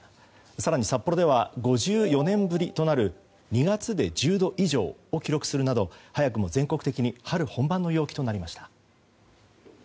更に、札幌では５４年ぶりとなる２月で１０度以上を記録するなど早くも全国的に春本番の陽気となりました。